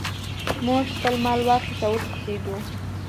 موږ خپل مال واخیست او وتښتیدو.